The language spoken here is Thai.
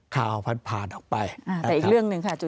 ข่าวพันธุ์ผ่านออกไปแต่อีกเรื่องหนึ่งค่ะจูจู